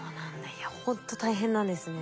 いやほんと大変なんですね。